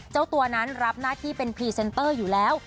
เจ้าตัวนั้นรับหน้าที่เป็นพรีเซนเตอร์อยู่แล้ว